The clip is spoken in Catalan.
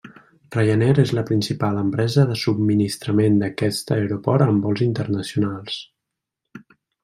Ryanair és la principal empresa de subministrament d'aquest aeroport amb vols internacionals.